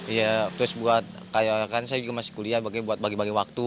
iya terus buat kayak kan saya juga masih kuliah buat bagi bagi waktu